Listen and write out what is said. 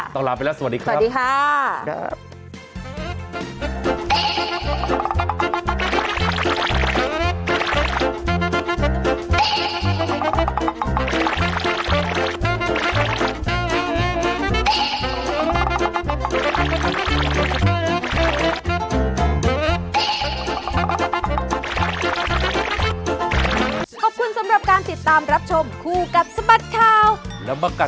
ลาไปแล้วสวัสดีครับสวัสดีค่ะ